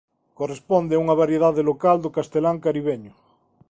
Corresponde a unha variedade local do castelán caribeño.